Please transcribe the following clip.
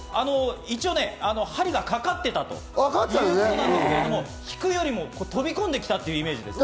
一応、針がかかっていたということなんですけれど、引くよりも飛び込んできたというイメージです。